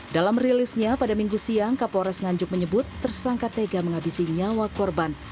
dalam rilisnya pada minggu siang kapolres nganjuk menyebut tersangka tega menghabisi nyawa korban